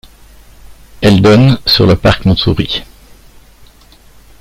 Elle donne sur le parc Montsouris.